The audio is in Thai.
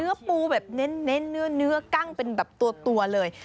เนื้อปูแบบเน่นเน่นเนื้อเนื้อกั้งเป็นแบบตัวเลย